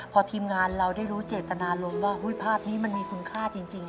พอทีมงานเราได้รู้เจตนารมณ์ว่าภาพนี้มันมีคุณค่าจริง